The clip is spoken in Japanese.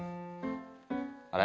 あれ？